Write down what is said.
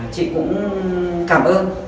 chị cũng cảm ơn